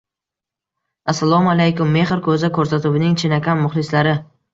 Assalomu alaykum, “Mexr ko‘zda”ko‘rsatuvining chinakam muxlislari.